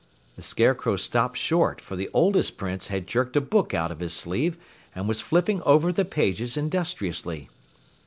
The Scarecrow stopped short, for the oldest Prince had jerked a book out of his sleeve and was flipping over the pages industriously.